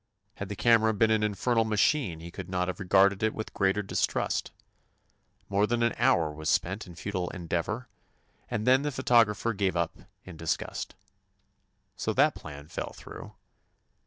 Had the cam era been an infernal machine he could not have regarded it with greater dis trust. More than an hour was spent in futile endeavor, and then the pho tographer gave up in disgust. So that plan fell through.